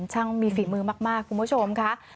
ช่างมีฝีมือมากคุณผู้ชมค่ะ